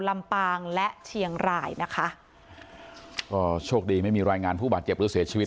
ลำปางและเชียงรายนะคะก็โชคดีไม่มีรายงานผู้บาดเจ็บหรือเสียชีวิต